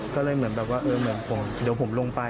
ก็เลยเหมือนว่าผมเดี๋ยวผมลงไป